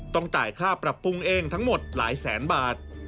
ต้องจ่ายค่าปรับปรุงเองทั้งหมดหลายแสนบาท